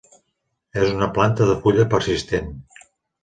És una planta de fulla persistent.